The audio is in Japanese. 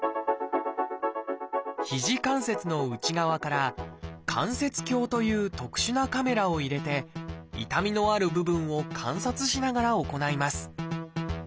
肘関節の内側から関節鏡という特殊なカメラを入れて痛みのある部分を観察しながら行います。